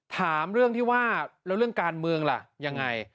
ถามเรื่องที่ว่าแล้วเรื่องการเมืองล่ะยังไง